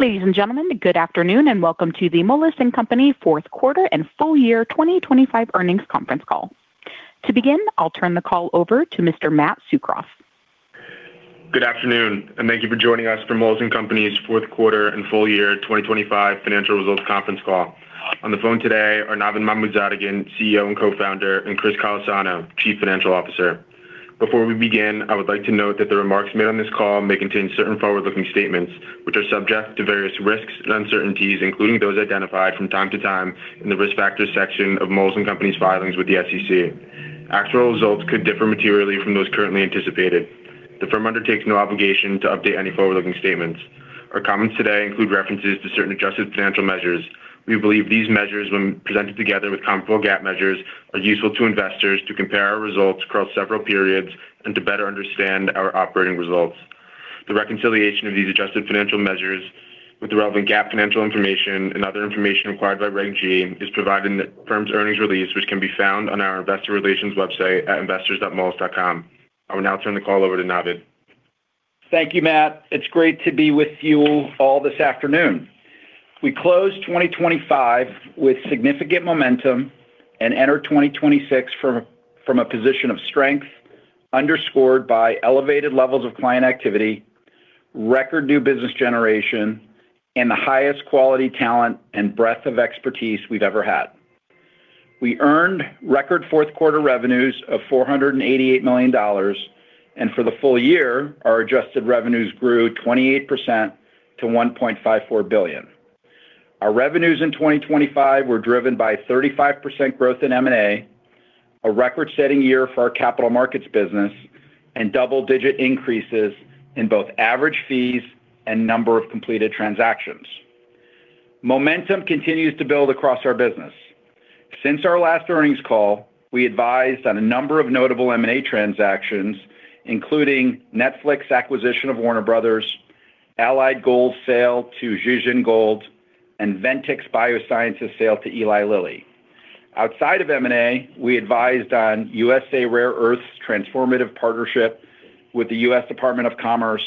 Ladies and gentlemen, good afternoon and welcome to the Moelis & Company Q4 and full year 2025 earnings conference call. To begin, I'll turn the call over to Mr. Matt Tsukroff. Good afternoon and thank you for joining us for Moelis & Company's Q4 and full year 2025 financial results conference call. On the phone today are Navid Mahmoodzadegan, CEO and co-founder, and Chris Callesano, Chief Financial Officer. Before we begin, I would like to note that the remarks made on this call may contain certain forward-looking statements which are subject to various risks and uncertainties, including those identified from time to time in the risk factors section of Moelis & Company's filings with the SEC. Actual results could differ materially from those currently anticipated. The firm undertakes no obligation to update any forward-looking statements. Our comments today include references to certain adjusted financial measures. We believe these measures, when presented together with comparable GAAP measures, are useful to investors to compare our results across several periods and to better understand our operating results. The reconciliation of these adjusted financial measures with the relevant GAAP financial information and other information required by Reg. G is provided in the firm's earnings release, which can be found on our investor relations website at investors.moelis.com. I will now turn the call over to Navid. Thank you, Matt. It's great to be with you all this afternoon. We close 2025 with significant momentum and enter 2026 from a position of strength underscored by elevated levels of client activity, record new business generation, and the highest quality talent and breadth of expertise we've ever had. We earned record Q4 revenues of $488 million, and for the full year, our adjusted revenues grew 28% to $1.54 billion. Our revenues in 2025 were driven by 35% growth in M&A, a record-setting year for our capital markets business, and double-digit increases in both average fees and number of completed transactions. Momentum continues to build across our business. Since our last earnings call, we advised on a number of notable M&A transactions, including Netflix acquisition of Warner Bros. Discovery, Allied Gold sale to Zijin Gold, and Ventyx Biosciences sale to Eli Lilly. Outside of M&A, we advised on USA Rare Earth's transformative partnership with the U.S. Department of Commerce,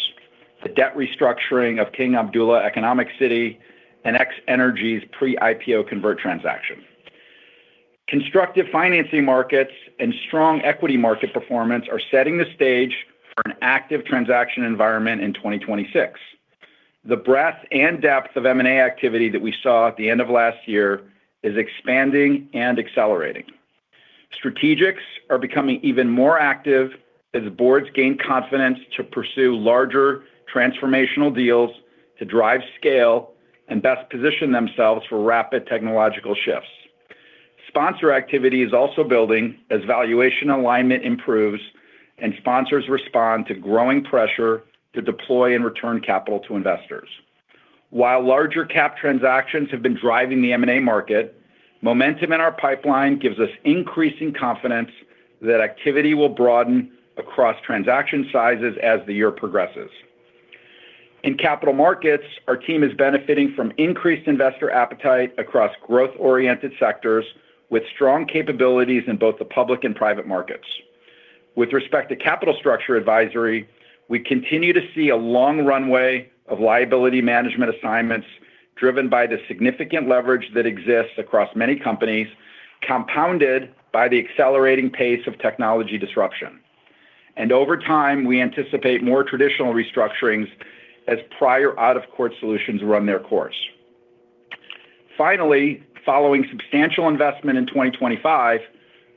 the debt restructuring of King Abdullah Economic City, and X-energy's pre-IPO convert transaction. Constructive financing markets and strong equity market performance are setting the stage for an active transaction environment in 2026. The breadth and depth of M&A activity that we saw at the end of last year is expanding and accelerating. Strategics are becoming even more active as boards gain confidence to pursue larger transformational deals to drive scale and best position themselves for rapid technological shifts. Sponsor activity is also building as valuation alignment improves and sponsors respond to growing pressure to deploy and return capital to investors. While larger cap transactions have been driving the M&A market, momentum in our pipeline gives us increasing confidence that activity will broaden across transaction sizes as the year progresses. In capital markets, our team is benefiting from increased investor appetite across growth-oriented sectors with strong capabilities in both the public and private markets. With respect to capital structure advisory, we continue to see a long runway of liability management assignments driven by the significant leverage that exists across many companies, compounded by the accelerating pace of technology disruption. Over time, we anticipate more traditional restructurings as prior out-of-court solutions run their course. Finally, following substantial investment in 2025,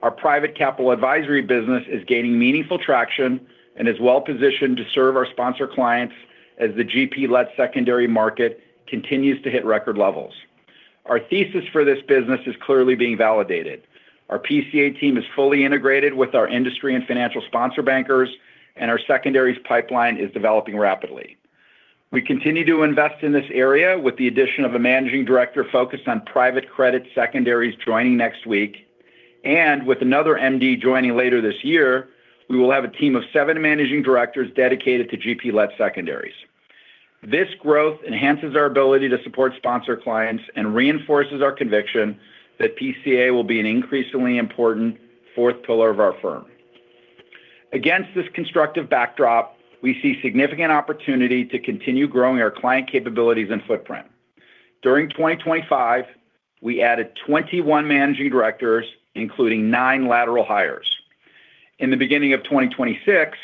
our private capital advisory business is gaining meaningful traction and is well-positioned to serve our sponsor clients as the GP-led secondary market continues to hit record levels. Our thesis for this business is clearly being validated. Our PCA team is fully integrated with our industry and financial sponsor bankers, and our secondaries pipeline is developing rapidly. We continue to invest in this area with the addition of a managing director focused on private credit secondaries joining next week, and with another MD joining later this year, we will have a team of seven managing directors dedicated to GP-led secondaries. This growth enhances our ability to support sponsor clients and reinforces our conviction that PCA will be an increasingly important fourth pillar of our firm. Against this constructive backdrop, we see significant opportunity to continue growing our client capabilities and footprint. During 2025, we added 21 managing directors, including nine lateral hires. In the beginning of 2026,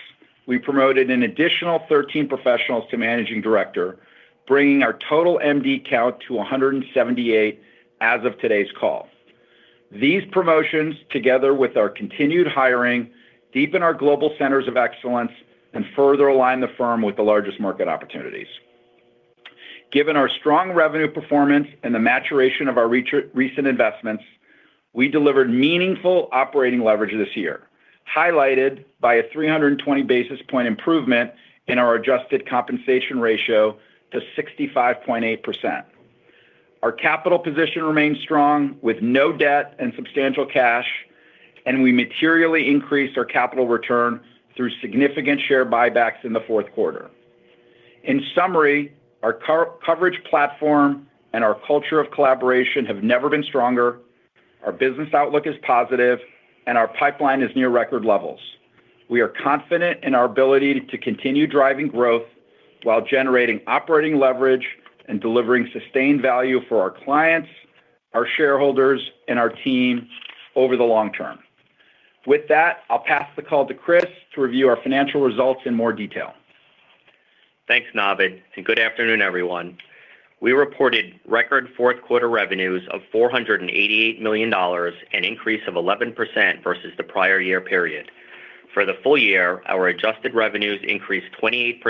we promoted an additional 13 professionals to managing director, bringing our total MD count to 178 as of today's call. These promotions, together with our continued hiring, deepen our global centers of excellence and further align the firm with the largest market opportunities. Given our strong revenue performance and the maturation of our recent investments, we delivered meaningful operating leverage this year, highlighted by a 320 basis point improvement in our adjusted compensation ratio to 65.8%. Our capital position remains strong with no debt and substantial cash, and we materially increased our capital return through significant share buybacks in the Q4. In summary, our coverage platform and our culture of collaboration have never been stronger. Our business outlook is positive, and our pipeline is near record levels. We are confident in our ability to continue driving growth while generating operating leverage and delivering sustained value for our clients, our shareholders, and our team over the long term. With that, I'll pass the call to Chris to review our financial results in more detail. Thanks, Navid, and good afternoon, everyone. We reported record Q4 revenues of $488 million and an increase of 11% versus the prior year period. For the full year, our adjusted revenues increased 28%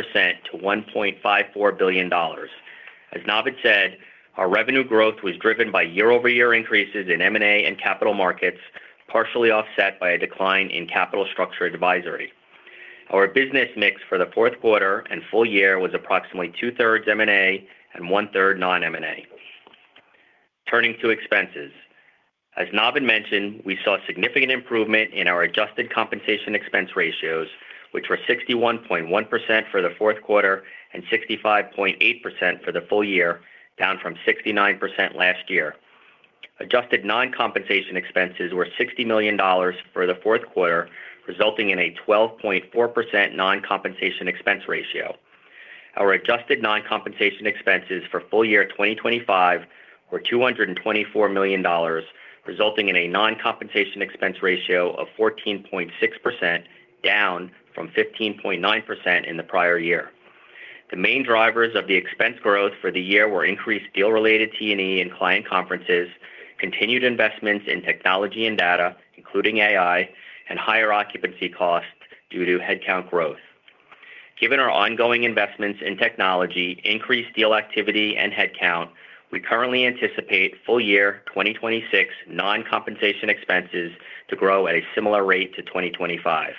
to $1.54 billion. As Navid said, our revenue growth was driven by year-over-year increases in M&A and Capital Markets, partially offset by a decline in Capital Structure Advisory. Our business mix for the Q4 and full year was approximately two-thirds M&A and one-third non-M&A. Turning to expenses. As Navid mentioned, we saw significant improvement in our adjusted compensation expense ratios, which were 61.1% for the Q4 and 65.8% for the full year, down from 69% last year. Adjusted non-compensation expenses were $60 million for the Q4, resulting in a 12.4% non-compensation expense ratio. Our adjusted non-compensation expenses for full year 2025 were $224 million, resulting in a non-compensation expense ratio of 14.6%, down from 15.9% in the prior year. The main drivers of the expense growth for the year were increased deal-related T&E in client conferences, continued investments in technology and data, including AI, and higher occupancy costs due to headcount growth. Given our ongoing investments in technology, increased deal activity, and headcount, we currently anticipate full year 2026 non-compensation expenses to grow at a similar rate to 2025.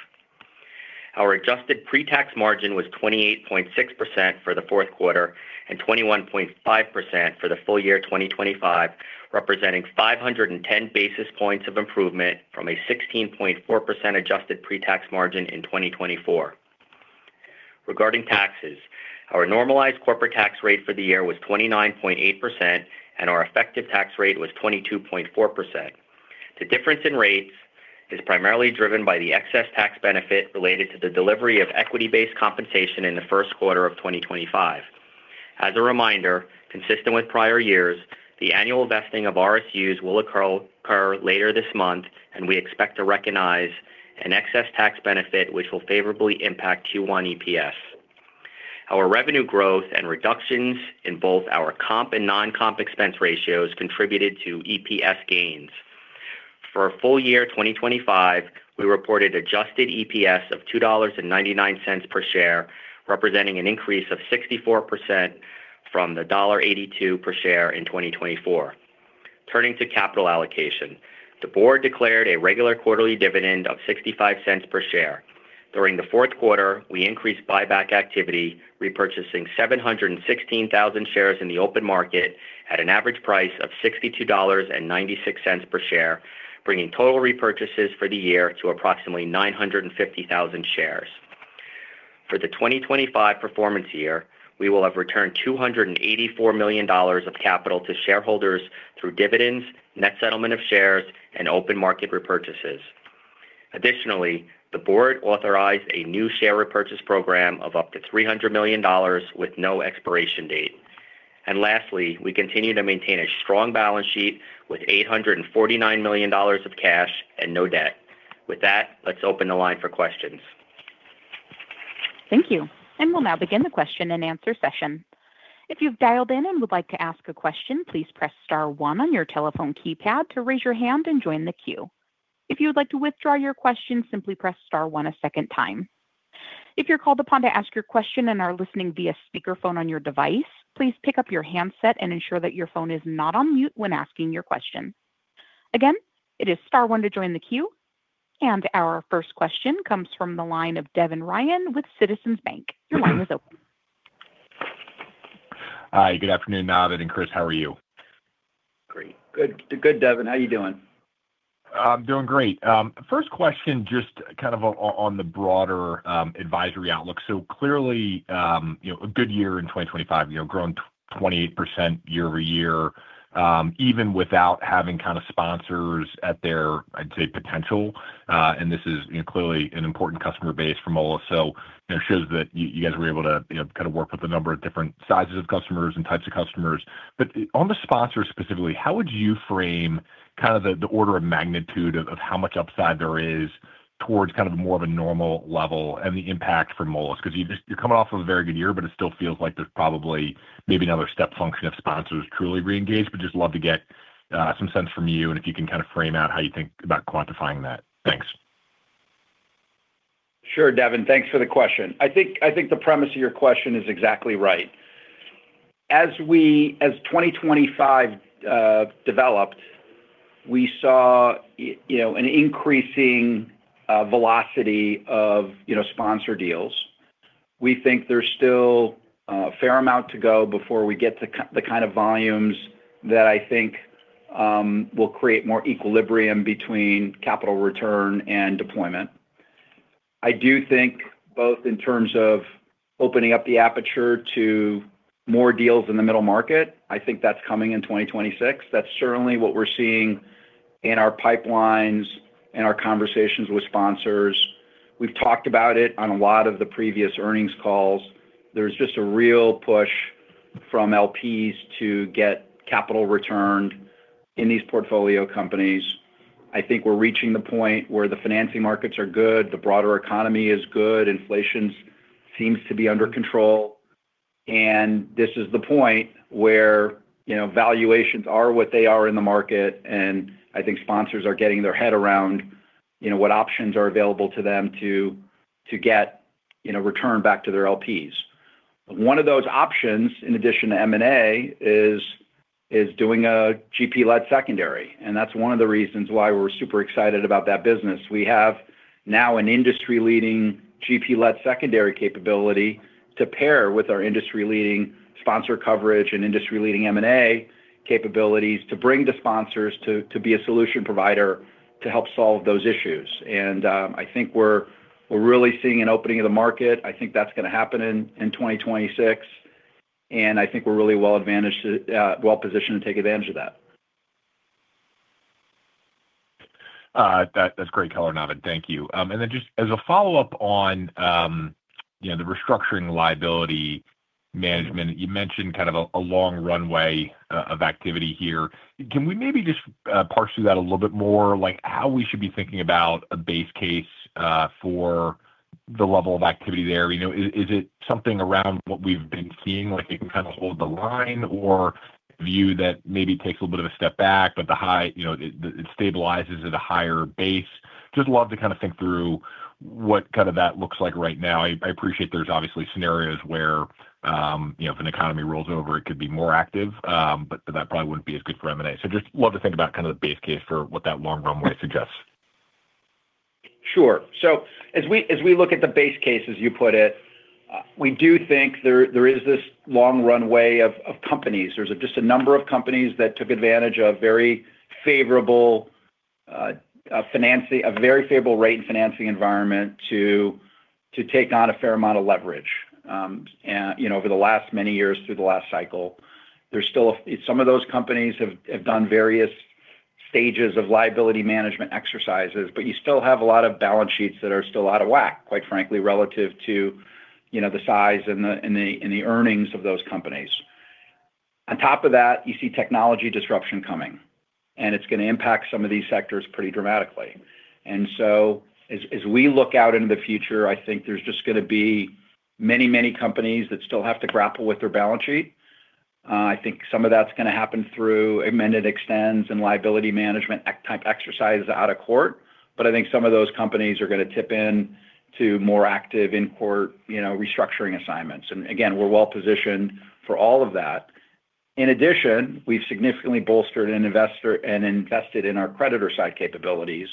Our adjusted pre-tax margin was 28.6% for the Q4 and 21.5% for the full year 2025, representing 510 basis points of improvement from a 16.4% adjusted pre-tax margin in 2024. Regarding taxes, our normalized corporate tax rate for the year was 29.8%, and our effective tax rate was 22.4%. The difference in rates is primarily driven by the excess tax benefit related to the delivery of equity-based compensation in the Q1 of 2025. As a reminder, consistent with prior years, the annual vesting of RSUs will occur later this month, and we expect to recognize an excess tax benefit which will favorably impact Q1 EPS. Our revenue growth and reductions in both our comp and non-comp expense ratios contributed to EPS gains. For full year 2025, we reported adjusted EPS of $2.99 per share, representing an increase of 64% from the $1.82 per share in 2024. Turning to capital allocation, the board declared a regular quarterly dividend of $0.65 per share. During the Q4, we increased buyback activity, repurchasing 716,000 shares in the open market at an average price of $62.96 per share, bringing total repurchases for the year to approximately 950,000 shares. For the 2025 performance year, we will have returned $284 million of capital to shareholders through dividends, net settlement of shares, and open market repurchases. Additionally, the board authorized a new share repurchase program of up to $300 million with no expiration date. And lastly, we continue to maintain a strong balance sheet with $849 million of cash and no debt. With that, let's open the line for questions. Thank you. We'll now begin the question and answer session. If you've dialed in and would like to ask a question, please press star one on your telephone keypad to raise your hand and join the queue. If you would like to withdraw your question, simply press star one a second time. If you're called upon to ask your question and are listening via speakerphone on your device, please pick up your handset and ensure that your phone is not on mute when asking your question. Again, it is star one to join the queue. Our first question comes from the line of Devin Ryan with Citizens Bank. Your line is open. Hi. Good afternoon, Navid and Chris. How are you? Great. Good, Devin. How are you doing? I'm doing great. First question, just kind of on the broader advisory outlook. So clearly, a good year in 2025, growing 28% year-over-year, even without having kind of sponsors at their, I'd say, potential. And this is clearly an important customer base for Moelis. So it shows that you guys were able to kind of work with a number of different sizes of customers and types of customers. But on the sponsors specifically, how would you frame kind of the order of magnitude of how much upside there is towards kind of more of a normal level and the impact for Moelis? Because you're coming off of a very good year, but it still feels like there's probably maybe another step function if sponsors truly reengage. But just love to get some sense from you, and if you can kind of frame out how you think about quantifying that. Thanks. Sure, Devin. Thanks for the question. I think the premise of your question is exactly right. As 2025 developed, we saw an increasing velocity of sponsor deals. We think there's still a fair amount to go before we get to the kind of volumes that I think will create more equilibrium between capital return and deployment. I do think both in terms of opening up the aperture to more deals in the middle market, I think that's coming in 2026. That's certainly what we're seeing in our pipelines and our conversations with sponsors. We've talked about it on a lot of the previous earnings calls. There's just a real push from LPs to get capital returned in these portfolio companies. I think we're reaching the point where the financing markets are good, the broader economy is good, inflation seems to be under control. This is the point where valuations are what they are in the market, and I think sponsors are getting their head around what options are available to them to get return back to their LPs. One of those options, in addition to M&A, is doing a GP-led secondary. That's one of the reasons why we're super excited about that business. We have now an industry-leading GP-led secondary capability to pair with our industry-leading sponsor coverage and industry-leading M&A capabilities to bring to sponsors to be a solution provider to help solve those issues. I think we're really seeing an opening of the market. I think that's going to happen in 2026. I think we're really well-positioned to take advantage of that. That's great color, Navid. Thank you. And then just as a follow-up on the restructuring liability management, you mentioned kind of a long runway of activity here. Can we maybe just parse through that a little bit more, how we should be thinking about a base case for the level of activity there? Is it something around what we've been seeing? It can kind of hold the line or a view that maybe takes a little bit of a step back, but it stabilizes at a higher base. Just love to kind of think through what kind of that looks like right now. I appreciate there's obviously scenarios where if an economy rolls over, it could be more active, but that probably wouldn't be as good for M&A. So just love to think about kind of the base case for what that long runway suggests. Sure. So as we look at the base case, as you put it, we do think there is this long runway of companies. There's just a number of companies that took advantage of very favorable rate and financing environment to take on a fair amount of leverage. Over the last many years through the last cycle, some of those companies have done various stages of liability management exercises, but you still have a lot of balance sheets that are still out of whack, quite frankly, relative to the size and the earnings of those companies. On top of that, you see technology disruption coming, and it's going to impact some of these sectors pretty dramatically. And so as we look out into the future, I think there's just going to be many, many companies that still have to grapple with their balance sheet. I think some of that's going to happen through amend-and-extend and liability management type exercises out of court. But I think some of those companies are going to tip into more active in-court restructuring assignments. And again, we're well-positioned for all of that. In addition, we've significantly bolstered and invested in our creditor-side capabilities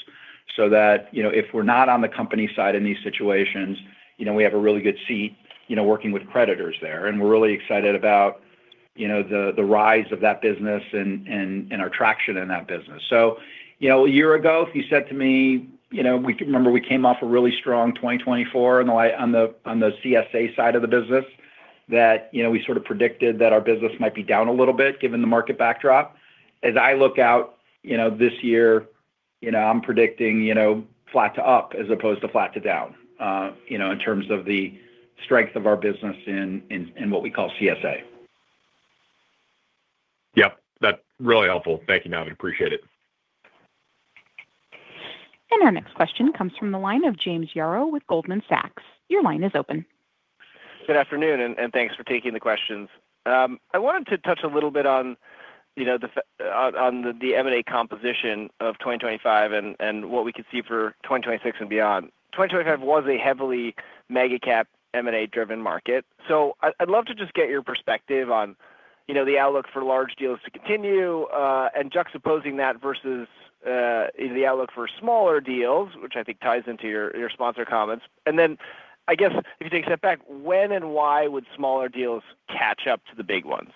so that if we're not on the company side in these situations, we have a really good seat working with creditors there. And we're really excited about the rise of that business and our traction in that business. So a year ago, if you said to me, remember we came off a really strong 2024 on the CSA side of the business, that we sort of predicted that our business might be down a little bit given the market backdrop. As I look out this year, I'm predicting flat to up as opposed to flat to down in terms of the strength of our business in what we call CSA. Yep. That's really helpful. Thank you, Navid. Appreciate it. Our next question comes from the line of James Yaro with Goldman Sachs. Your line is open. Good afternoon, and thanks for taking the questions. I wanted to touch a little bit on the M&A composition of 2025 and what we could see for 2026 and beyond. 2025 was a heavily mega-cap M&A-driven market. So I'd love to just get your perspective on the outlook for large deals to continue and juxtaposing that versus the outlook for smaller deals, which I think ties into your sponsor comments. And then I guess if you take a step back, when and why would smaller deals catch up to the big ones?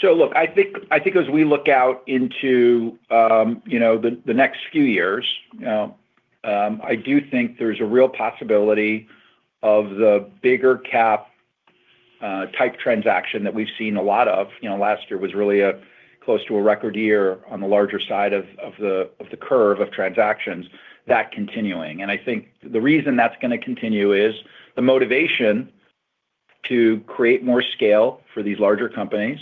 So look, I think as we look out into the next few years, I do think there's a real possibility of the bigger cap type transaction that we've seen a lot of. Last year was really close to a record year on the larger side of the curve of transactions, that continuing. And I think the reason that's going to continue is the motivation to create more scale for these larger companies,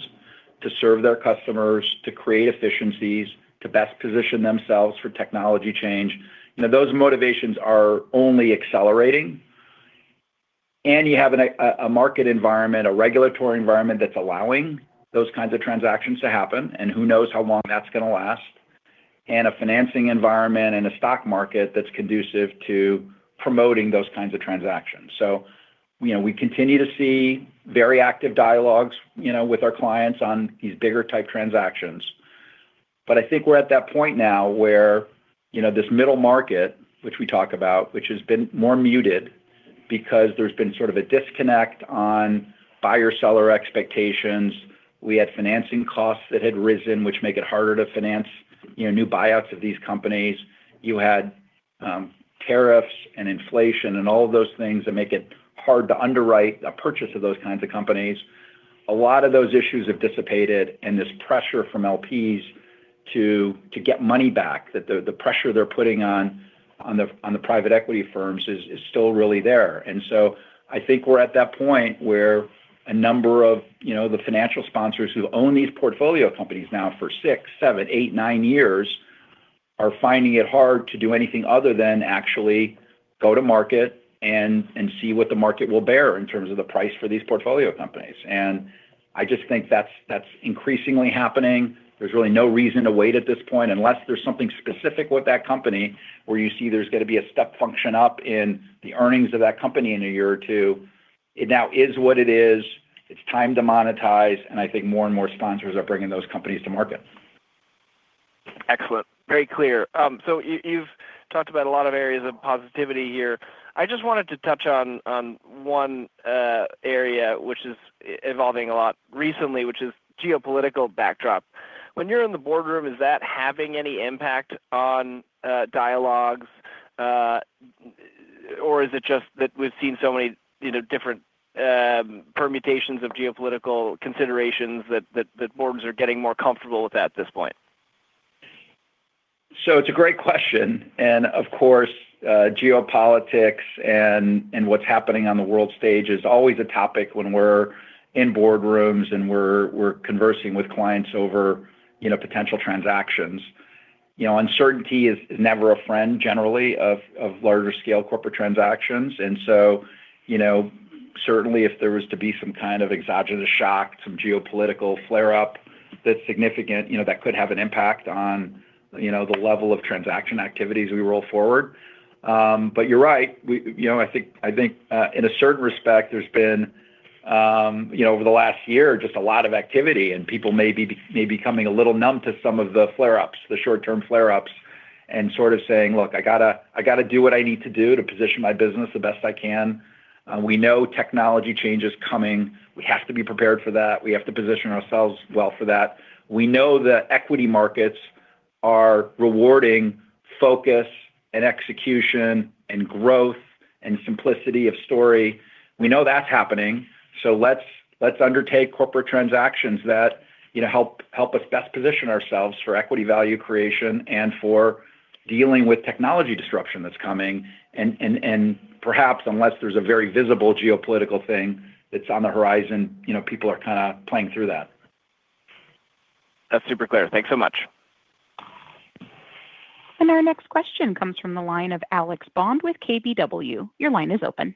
to serve their customers, to create efficiencies, to best position themselves for technology change. Those motivations are only accelerating. And you have a market environment, a regulatory environment that's allowing those kinds of transactions to happen, and who knows how long that's going to last, and a financing environment and a stock market that's conducive to promoting those kinds of transactions. So we continue to see very active dialogues with our clients on these bigger type transactions. But I think we're at that point now where this middle market, which we talk about, which has been more muted because there's been sort of a disconnect on buyer-seller expectations. We had financing costs that had risen, which make it harder to finance new buyouts of these companies. You had tariffs and inflation and all of those things that make it hard to underwrite a purchase of those kinds of companies. A lot of those issues have dissipated, and this pressure from LPs to get money back, the pressure they're putting on the private equity firms is still really there. So I think we're at that point where a number of the financial sponsors who own these portfolio companies now for 6, 7, 8, 9 years are finding it hard to do anything other than actually go to market and see what the market will bear in terms of the price for these portfolio companies. I just think that's increasingly happening. There's really no reason to wait at this point unless there's something specific with that company where you see there's going to be a step function up in the earnings of that company in a year or two. It now is what it is. It's time to monetize. I think more and more sponsors are bringing those companies to market. Excellent. Very clear. So you've talked about a lot of areas of positivity here. I just wanted to touch on one area, which is evolving a lot recently, which is geopolitical backdrop. When you're in the boardroom, is that having any impact on dialogues, or is it just that we've seen so many different permutations of geopolitical considerations that boards are getting more comfortable with at this point? So it's a great question. Of course, geopolitics and what's happening on the world stage is always a topic when we're in boardrooms and we're conversing with clients over potential transactions. Uncertainty is never a friend, generally, of larger-scale corporate transactions. So certainly, if there was to be some kind of exogenous shock, some geopolitical flare-up that's significant, that could have an impact on the level of transaction activities we roll forward. But you're right. I think in a certain respect, there's been over the last year just a lot of activity, and people may be becoming a little numb to some of the flare-ups, the short-term flare-ups, and sort of saying, "Look, I got to do what I need to do to position my business the best I can." We know technology change is coming. We have to be prepared for that. We have to position ourselves well for that. We know that equity markets are rewarding focus and execution and growth and simplicity of story. We know that's happening. So let's undertake corporate transactions that help us best position ourselves for equity value creation and for dealing with technology disruption that's coming. And perhaps unless there's a very visible geopolitical thing that's on the horizon, people are kind of playing through that. That's super clear. Thanks so much. Our next question comes from the line of Alex Bond with KBW. Your line is open.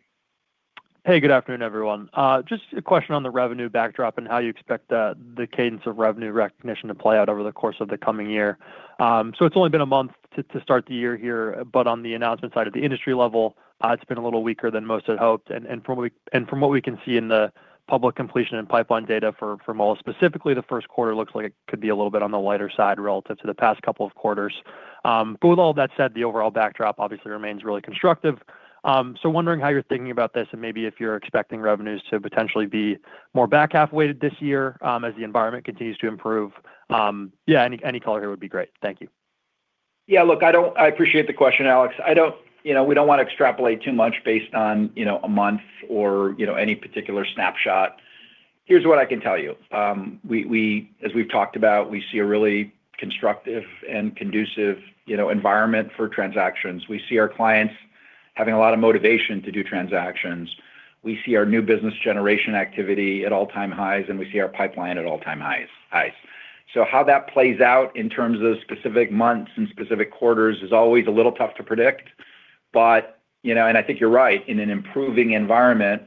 Hey, good afternoon, everyone. Just a question on the revenue backdrop and how you expect the cadence of revenue recognition to play out over the course of the coming year. So it's only been a month to start the year here, but on the announcement side at the industry level, it's been a little weaker than most had hoped. And from what we can see in the public completion and pipeline data for Moelis, specifically the Q1, looks like it could be a little bit on the lighter side relative to the past couple of quarters. But with all of that said, the overall backdrop obviously remains really constructive. So wondering how you're thinking about this and maybe if you're expecting revenues to potentially be more back half-weighted this year as the environment continues to improve. Yeah, any color here would be great. Thank you. Yeah, look, I appreciate the question, Alex. We don't want to extrapolate too much based on a month or any particular snapshot. Here's what I can tell you. As we've talked about, we see a really constructive and conducive environment for transactions. We see our clients having a lot of motivation to do transactions. We see our new business generation activity at all-time highs, and we see our pipeline at all-time highs. So how that plays out in terms of specific months and specific quarters is always a little tough to predict. And I think you're right. In an improving environment,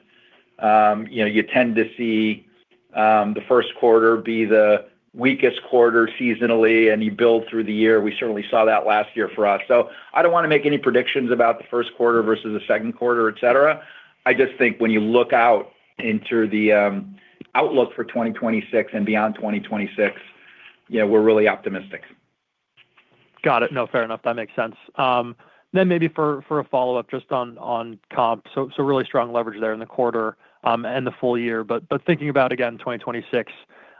you tend to see the Q1 be the weakest quarter seasonally, and you build through the year. We certainly saw that last year for us. So I don't want to make any predictions about the Q1 versus the Q2, etc. I just think when you look out into the outlook for 2026 and beyond 2026, we're really optimistic. Got it. No, fair enough. That makes sense. Then maybe for a follow-up just on comp, so really strong leverage there in the quarter and the full year. But thinking about, again, 2026,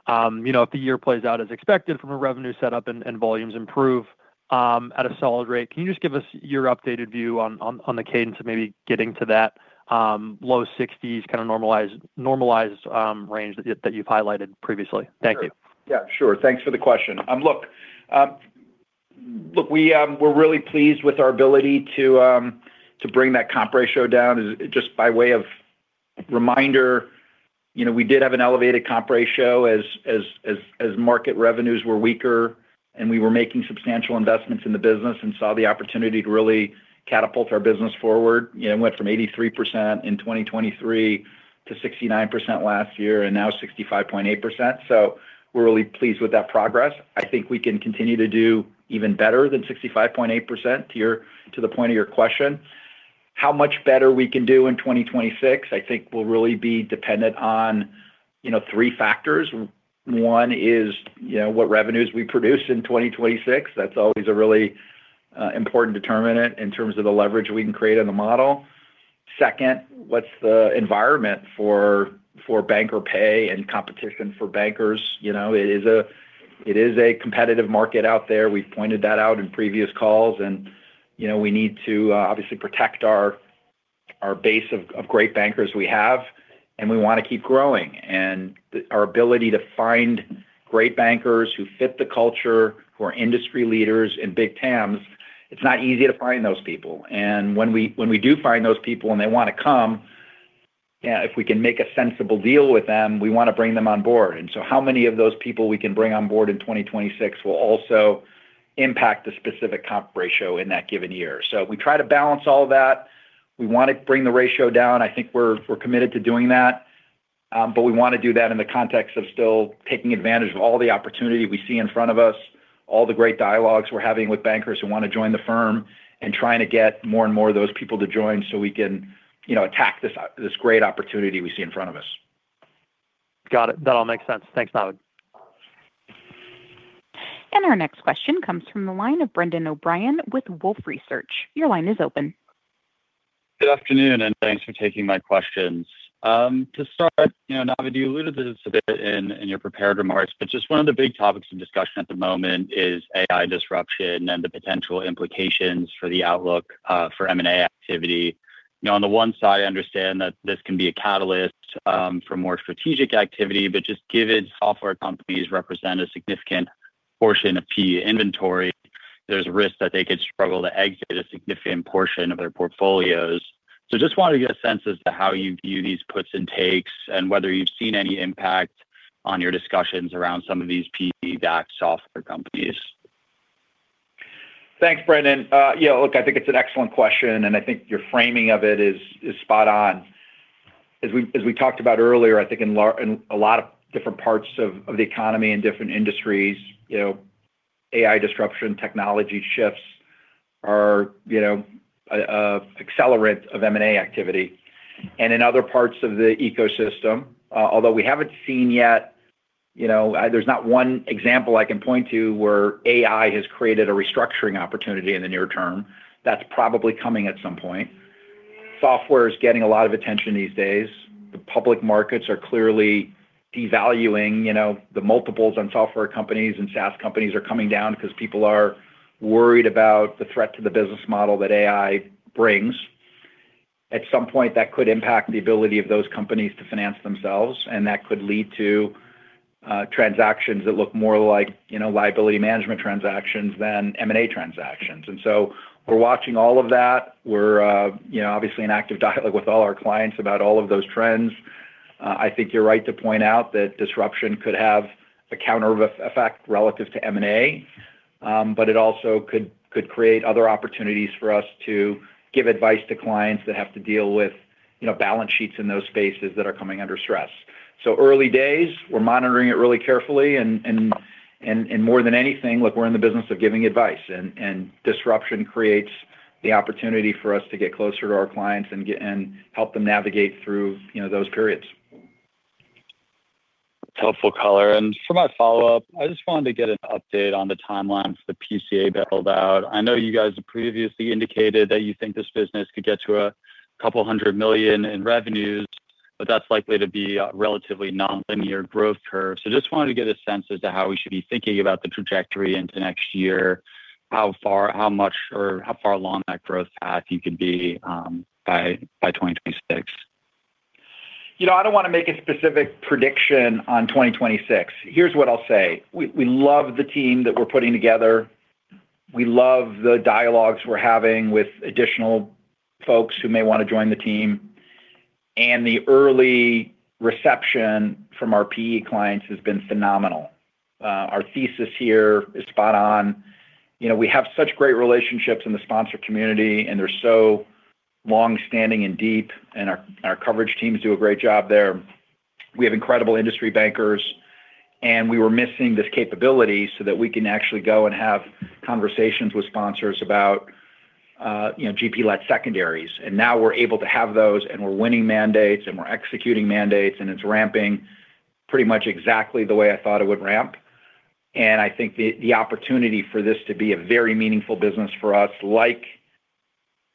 if the year plays out as expected from a revenue setup and volumes improve at a solid rate, can you just give us your updated view on the cadence of maybe getting to that low 60s, kind of normalized range that you've highlighted previously? Thank you. Yeah, sure. Thanks for the question. Look, we're really pleased with our ability to bring that comp ratio down. Just by way of reminder, we did have an elevated comp ratio as market revenues were weaker, and we were making substantial investments in the business and saw the opportunity to really catapult our business forward. We went from 83% in 2023 to 69% last year and now 65.8%. So we're really pleased with that progress. I think we can continue to do even better than 65.8% to the point of your question. How much better we can do in 2026, I think, will really be dependent on three factors. One is what revenues we produce in 2026. That's always a really important determinant in terms of the leverage we can create on the model. Second, what's the environment for banker pay and competition for bankers? It is a competitive market out there. We've pointed that out in previous calls. We need to obviously protect our base of great bankers we have, and we want to keep growing. Our ability to find great bankers who fit the culture, who are industry leaders in big TAMs, it's not easy to find those people. When we do find those people and they want to come, if we can make a sensible deal with them, we want to bring them on board. So how many of those people we can bring on board in 2026 will also impact the specific comp ratio in that given year. We try to balance all of that. We want to bring the ratio down. I think we're committed to doing that. But we want to do that in the context of still taking advantage of all the opportunity we see in front of us, all the great dialogues we're having with bankers who want to join the firm, and trying to get more and more of those people to join so we can attack this great opportunity we see in front of us. Got it. That all makes sense. Thanks, Navid. Our next question comes from the line of Brendan O'Brien with Wolfe Research. Your line is open. Good afternoon, and thanks for taking my questions. To start, Navid, you alluded to this a bit in your prepared remarks, but just one of the big topics of discussion at the moment is AI disruption and the potential implications for the outlook for M&A activity. On the one side, I understand that this can be a catalyst for more strategic activity, but just given software companies represent a significant portion of PE inventory, there's a risk that they could struggle to exit a significant portion of their portfolios. So just wanted to get a sense as to how you view these puts and takes and whether you've seen any impact on your discussions around some of thesePE-backed software companies. Thanks, Brendan. Yeah, look, I think it's an excellent question, and I think your framing of it is spot on. As we talked about earlier, I think in a lot of different parts of the economy and different industries, AI disruption, technology shifts are an accelerant of M&A activity. And in other parts of the ecosystem, although we haven't seen yet there's not one example I can point to where AI has created a restructuring opportunity in the near term. That's probably coming at some point. Software is getting a lot of attention these days. The public markets are clearly devaluing. The multiples on software companies and SaaS companies are coming down because people are worried about the threat to the business model that AI brings. At some point, that could impact the ability of those companies to finance themselves, and that could lead to transactions that look more like liability management transactions than M&A transactions. And so we're watching all of that. We're obviously in active dialogue with all our clients about all of those trends. I think you're right to point out that disruption could have a counter effect relative to M&A, but it also could create other opportunities for us to give advice to clients that have to deal with balance sheets in those spaces that are coming under stress. So early days, we're monitoring it really carefully. And more than anything, look, we're in the business of giving advice. And disruption creates the opportunity for us to get closer to our clients and help them navigate through those periods. It's helpful color. For my follow-up, I just wanted to get an update on the timeline for the PCA build-out. I know you guys have previously indicated that you think this business could get to $200 million in revenues, but that's likely to be a relatively nonlinear growth curve. So just wanted to get a sense as to how we should be thinking about the trajectory into next year, how much or how far along that growth path you could be by 2026. I don't want to make a specific prediction on 2026. Here's what I'll say. We love the team that we're putting together. We love the dialogues we're having with additional folks who may want to join the team. And the early reception from our PE clients has been phenomenal. Our thesis here is spot on. We have such great relationships in the sponsor community, and they're so longstanding and deep, and our coverage teams do a great job there. We have incredible industry bankers, and we were missing this capability so that we can actually go and have conversations with sponsors about GP-led secondaries. And now we're able to have those, and we're winning mandates, and we're executing mandates, and it's ramping pretty much exactly the way I thought it would ramp. I think the opportunity for this to be a very meaningful business for us, like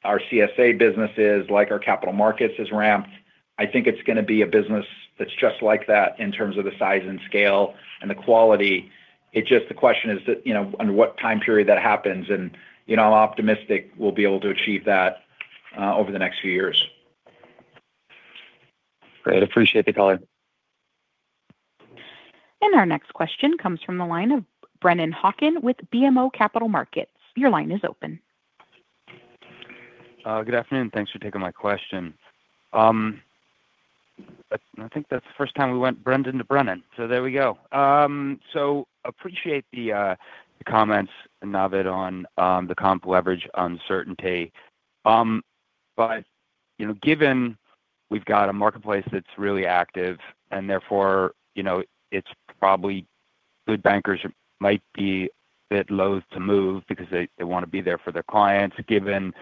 our CSA businesses, like our Capital Markets, has ramped. I think it's going to be a business that's just like that in terms of the size and scale and the quality. The question is, under what time period that happens? I'm optimistic we'll be able to achieve that over the next few years. Great. Appreciate the color. Our next question comes from the line of Brennan Hawken with BMO Capital Markets. Your line is open. Good afternoon. Thanks for taking my question. I think that's the first time we went Brendan to Brendan. So there we go. So appreciate the comments, Navid, on the comp leverage uncertainty. But given we've got a marketplace that's really active, and therefore, it's probably good bankers might be a bit loath to move because they want to be there for their clients, given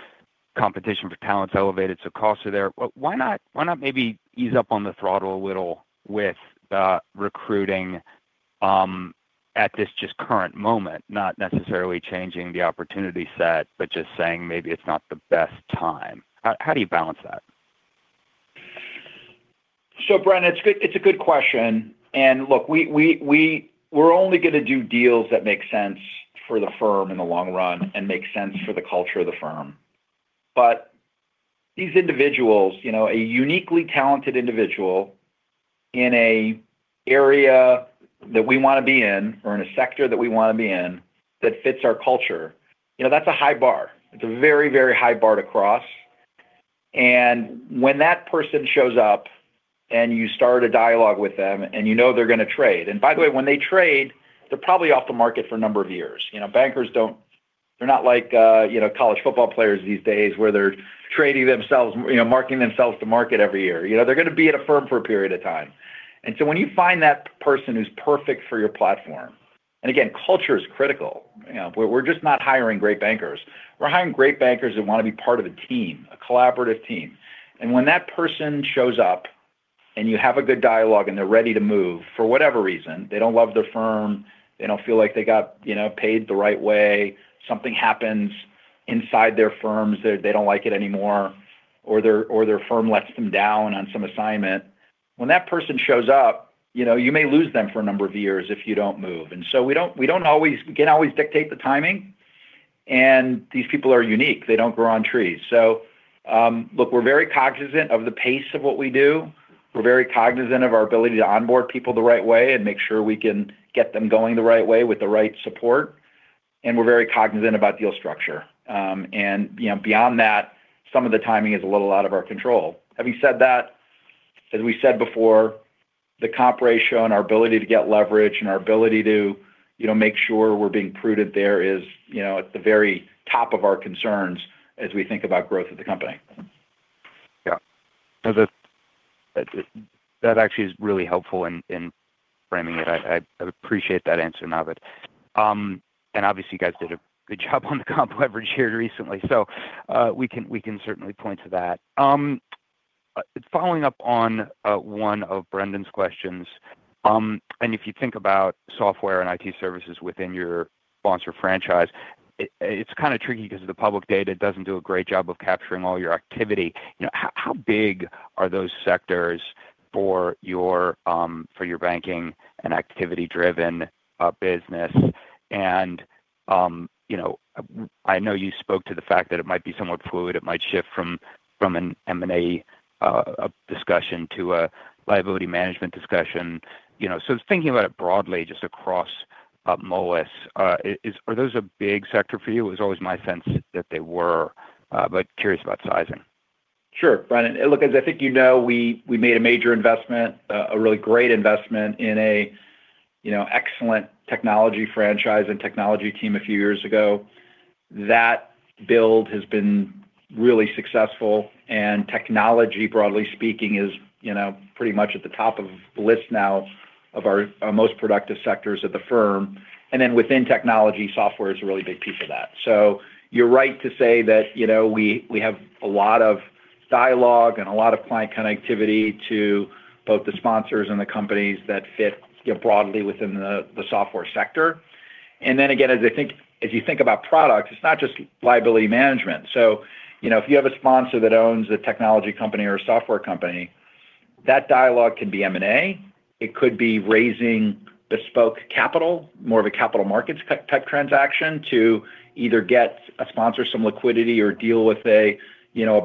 competition for talent's elevated, so costs are there. Why not maybe ease up on the throttle a little with recruiting at this just current moment, not necessarily changing the opportunity set, but just saying maybe it's not the best time? How do you balance that? So, Brendan, it's a good question. And look, we're only going to do deals that make sense for the firm in the long run and make sense for the culture of the firm. But these individuals, a uniquely talented individual in an area that we want to be in or in a sector that we want to be in that fits our culture, that's a high bar. It's a very, very high bar to cross. And when that person shows up and you start a dialogue with them and you know they're going to trade and by the way, when they trade, they're probably off the market for a number of years. Bankers, they're not like college football players these days where they're trading themselves, marking themselves to market every year. They're going to be at a firm for a period of time. When you find that person who's perfect for your platform and again, culture is critical. We're just not hiring great bankers. We're hiring great bankers that want to be part of a team, a collaborative team. When that person shows up and you have a good dialogue and they're ready to move for whatever reason, they don't love their firm, they don't feel like they got paid the right way, something happens inside their firms, they don't like it anymore, or their firm lets them down on some assignment, when that person shows up, you may lose them for a number of years if you don't move. We can't always dictate the timing. These people are unique. They don't grow on trees. Look, we're very cognizant of the pace of what we do. We're very cognizant of our ability to onboard people the right way and make sure we can get them going the right way with the right support. We're very cognizant about deal structure. Beyond that, some of the timing is a little out of our control. Having said that, as we said before, the comp ratio and our ability to get leverage and our ability to make sure we're being prudent there is at the very top of our concerns as we think about growth of the company. Yeah. That actually is really helpful in framing it. I appreciate that answer, Navid. And obviously, you guys did a good job on the comp leverage here recently, so we can certainly point to that. Following up on one of Brendan's questions, and if you think about software and IT services within your sponsor franchise, it's kind of tricky because the public data doesn't do a great job of capturing all your activity. How big are those sectors for your banking and activity-driven business? And I know you spoke to the fact that it might be somewhat fluid. It might shift from an M&A discussion to a liability management discussion. So thinking about it broadly, just across Moelis, are those a big sector for you? It was always my sense that they were, but curious about sizing. Sure, Brendan. Look, as I think you know, we made a major investment, a really great investment in an excellent technology franchise and technology team a few years ago. That build has been really successful. And technology, broadly speaking, is pretty much at the top of the list now of our most productive sectors at the firm. And then within technology, software is a really big piece of that. So you're right to say that we have a lot of dialogue and a lot of client connectivity to both the sponsors and the companies that fit broadly within the software sector. And then again, as I think as you think about products, it's not just liability management. So if you have a sponsor that owns a technology company or a software company, that dialogue can be M&A. It could be raising bespoke capital, more of a capital markets-type transaction to either get a sponsor some liquidity or deal with a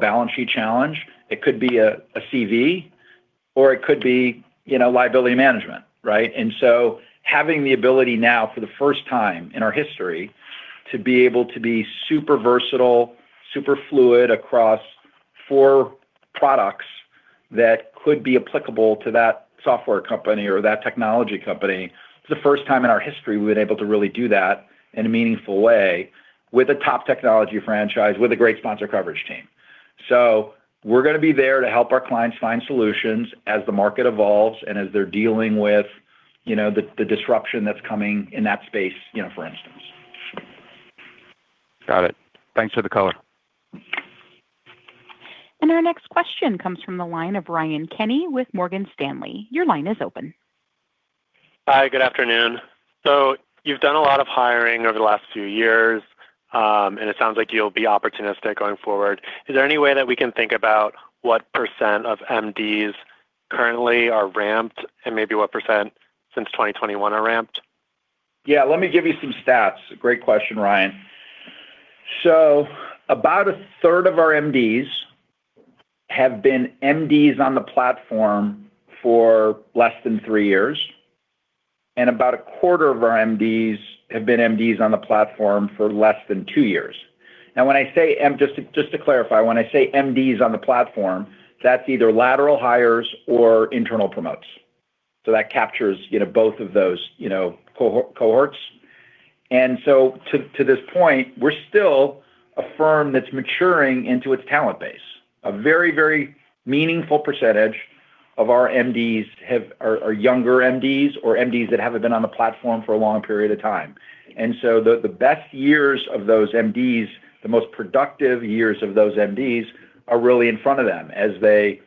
balance sheet challenge. It could be a CV, or it could be liability management, right? And so having the ability now for the first time in our history to be able to be super versatile, super fluid across four products that could be applicable to that software company or that technology company. It's the first time in our history we've been able to really do that in a meaningful way with a top technology franchise, with a great sponsor coverage team. So we're going to be there to help our clients find solutions as the market evolves and as they're dealing with the disruption that's coming in that space, for instance. Got it. Thanks for the color. Our next question comes from the line of Ryan Kenny with Morgan Stanley. Your line is open. Hi. Good afternoon. So you've done a lot of hiring over the last few years, and it sounds like you'll be opportunistic going forward. Is there any way that we can think about what % of MDs currently are ramped and maybe what % since 2021 are ramped? Yeah. Let me give you some stats. Great question, Ryan. So about a third of our MDs have been MDs on the platform for less than 3 years, and about a quarter of our MDs have been MDs on the platform for less than 2 years. Now, when I say just to clarify, when I say MDs on the platform, that's either lateral hires or internal promotions. So that captures both of those cohorts. And so to this point, we're still a firm that's maturing into its talent base. A very, very meaningful percentage of our MDs are younger MDs or MDs that haven't been on the platform for a long period of time. The best years of those MDs, the most productive years of those MDs, are really in front of them as they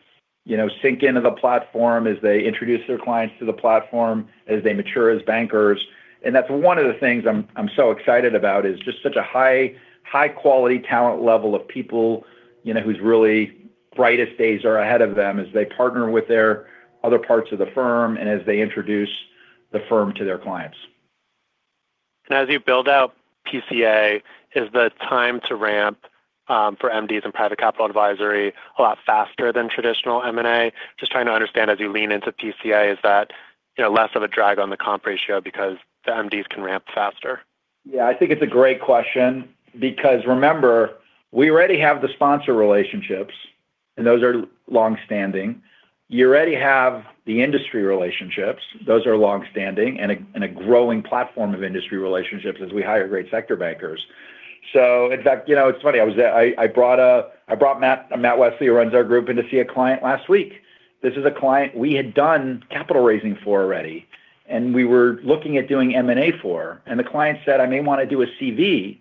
sink into the platform, as they introduce their clients to the platform, as they mature as bankers. That's one of the things I'm so excited about, is just such a high-quality talent level of people whose really brightest days are ahead of them as they partner with their other parts of the firm and as they introduce the firm to their clients. As you build out PCA, is the time to ramp for MDs and private capital advisory a lot faster than traditional M&A? Just trying to understand as you lean into PCA, is that less of a drag on the comp ratio because the MDs can ramp faster? Yeah. I think it's a great question because remember, we already have the sponsor relationships, and those are longstanding. You already have the industry relationships. Those are longstanding and a growing platform of industry relationships as we hire great sector bankers. So in fact, it's funny. I brought Matt Wesley who runs our group in to see a client last week. This is a client we had done capital raising for already, and we were looking at doing M&A for. And the client said, "I may want to do a CV."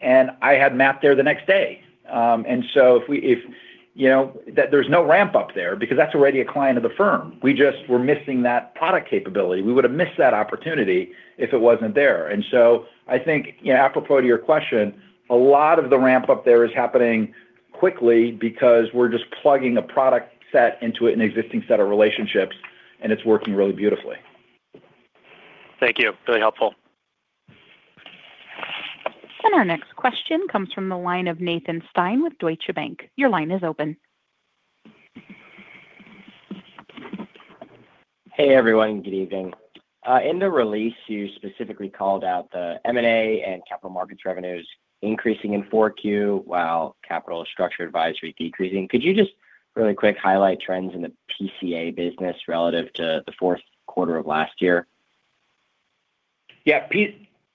And I had Matt there the next day. And so if there's no ramp-up there because that's already a client of the firm, we just were missing that product capability. We would have missed that opportunity if it wasn't there. And so I think, apropos to your question, a lot of the ramp-up there is happening quickly because we're just plugging a product set into an existing set of relationships, and it's working really beautifully. Thank you. Really helpful. Our next question comes from the line of Nathan Stein with Deutsche Bank. Your line is open. Hey, everyone. Good evening. In the release, you specifically called out the M&A and Capital Markets revenues increasing in 4Q while Capital Structure Advisory decreasing. Could you just really quick highlight trends in the PCA business relative to the Q4 of last year? Yeah.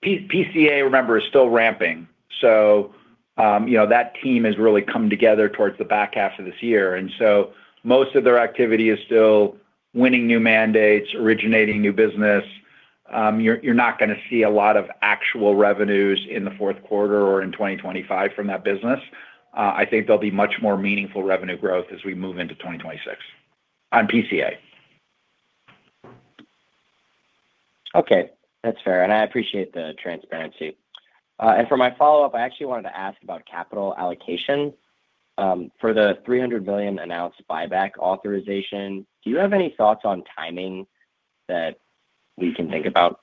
PCA, remember, is still ramping. So that team has really come together towards the back half of this year. And so most of their activity is still winning new mandates, originating new business. You're not going to see a lot of actual revenues in the Q4 or in 2025 from that business. I think there'll be much more meaningful revenue growth as we move into 2026 on PCA. Okay. That's fair. And I appreciate the transparency. And for my follow-up, I actually wanted to ask about capital allocation. For the $300 million announced buyback authorization, do you have any thoughts on timing that we can think about?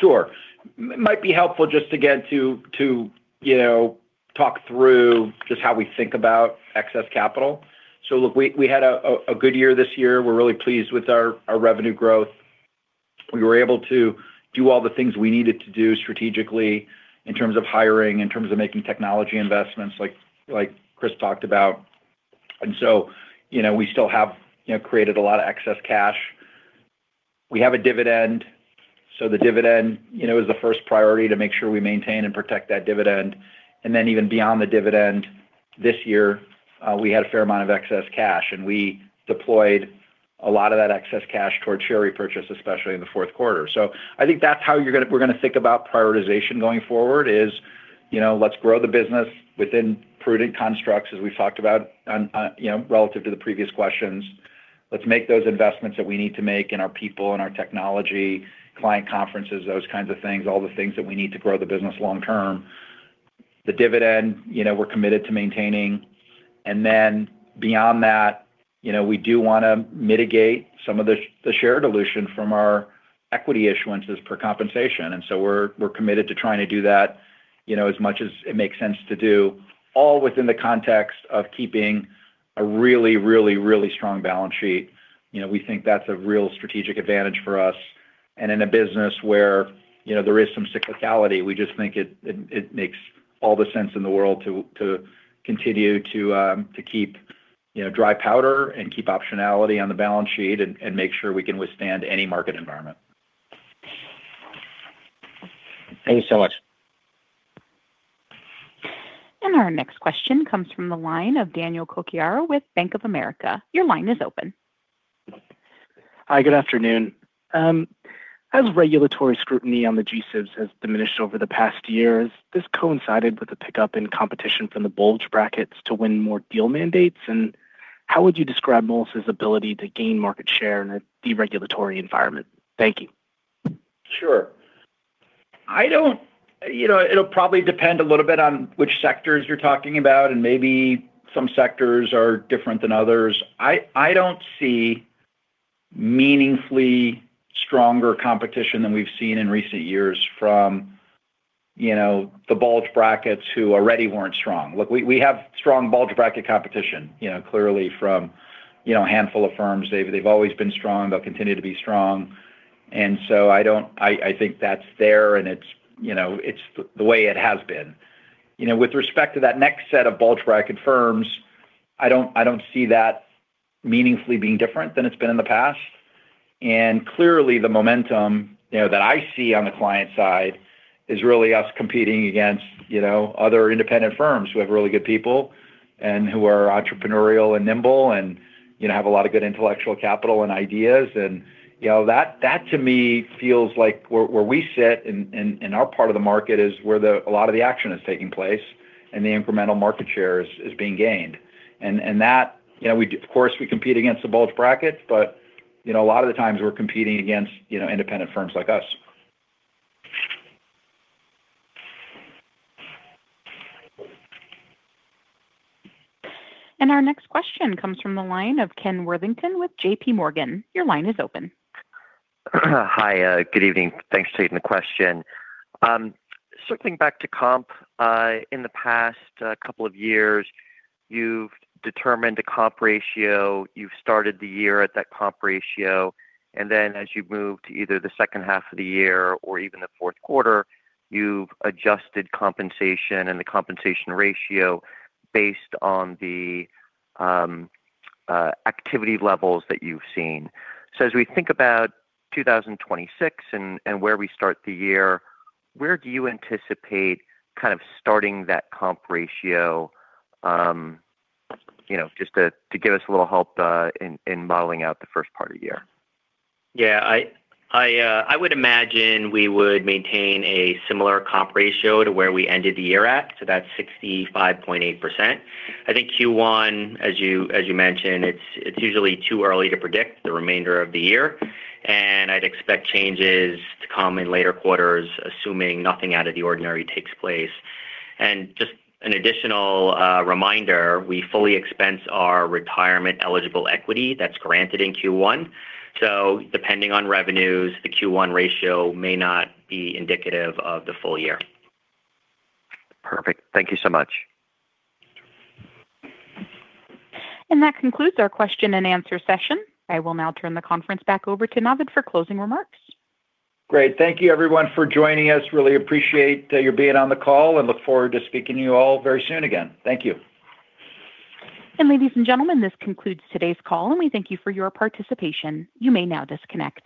Sure. It might be helpful just to get to talk through just how we think about excess capital. So look, we had a good year this year. We're really pleased with our revenue growth. We were able to do all the things we needed to do strategically in terms of hiring, in terms of making technology investments like Chris talked about. And so we still have created a lot of excess cash. We have a dividend. So the dividend is the first priority to make sure we maintain and protect that dividend. And then even beyond the dividend, this year, we had a fair amount of excess cash, and we deployed a lot of that excess cash toward share repurchase, especially in the Q4. So I think that's how we're going to think about prioritization going forward is let's grow the business within prudent constructs as we've talked about relative to the previous questions. Let's make those investments that we need to make in our people, in our technology, client conferences, those kinds of things, all the things that we need to grow the business long term. The dividend, we're committed to maintaining. And then beyond that, we do want to mitigate some of the share dilution from our equity issuances per compensation. And so we're committed to trying to do that as much as it makes sense to do, all within the context of keeping a really, really, really strong balance sheet. We think that's a real strategic advantage for us. In a business where there is some cyclicality, we just think it makes all the sense in the world to continue to keep dry powder and keep optionality on the balance sheet and make sure we can withstand any market environment. Thank you so much. Our next question comes from the line of Daniel Cocchiara with Bank of America. Your line is open. Hi. Good afternoon. As regulatory scrutiny on the GSIBs has diminished over the past year, has this coincided with a pickup in competition from the bulge brackets to win more deal mandates? And how would you describe Moelis's ability to gain market share in a deregulatory environment? Thank you. Sure. It'll probably depend a little bit on which sectors you're talking about, and maybe some sectors are different than others. I don't see meaningfully stronger competition than we've seen in recent years from the bulge brackets who already weren't strong. Look, we have strong bulge bracket competition, clearly, from a handful of firms. They've always been strong. They'll continue to be strong. And so I think that's there, and it's the way it has been. With respect to that next set of bulge bracket firms, I don't see that meaningfully being different than it's been in the past. And clearly, the momentum that I see on the client side is really us competing against other independent firms who have really good people and who are entrepreneurial and nimble and have a lot of good intellectual capital and ideas. That, to me, feels like where we sit in our part of the market is where a lot of the action is taking place and the incremental market share is being gained. Of course, we compete against the bulge brackets, but a lot of the times, we're competing against independent firms like us. Our next question comes from the line of Ken Worthington with J.P. Morgan. Your line is open. Hi. Good evening. Thanks for taking the question. Circling back to comp, in the past couple of years, you've determined a comp ratio. You've started the year at that comp ratio. And then as you move to either the second half of the year or even the Q4, you've adjusted compensation and the compensation ratio based on the activity levels that you've seen. So as we think about 2026 and where we start the year, where do you anticipate kind of starting that comp ratio? Just to give us a little help in modeling out the first part of year. Yeah. I would imagine we would maintain a similar comp ratio to where we ended the year at. So that's 65.8%. I think Q1, as you mentioned, it's usually too early to predict the remainder of the year. I'd expect changes to come in later quarters, assuming nothing out of the ordinary takes place. Just an additional reminder, we fully expense our retirement-eligible equity that's granted in Q1. Depending on revenues, the Q1 ratio may not be indicative of the full year. Perfect. Thank you so much. That concludes our question-and-answer session. I will now turn the conference back over to Navid for closing remarks. Great. Thank you, everyone, for joining us. Really appreciate your being on the call and look forward to speaking to you all very soon again. Thank you. Ladies and gentlemen, this concludes today's call, and we thank you for your participation. You may now disconnect.